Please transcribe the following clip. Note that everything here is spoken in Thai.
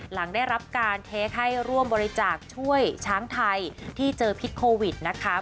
หลังได้รับการเทคให้ร่วมบริจาคช่วยช้างไทยที่เจอพิษโควิดนะคะ